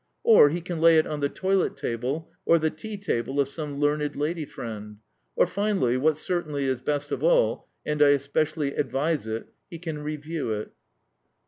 Or he can lay it on the toilet table or the tea table of some learned lady friend. Or, finally, what certainly is best of all, and I specially advise it, he can review it.